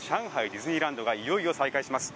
ディズニーランドがいよいよ再開します。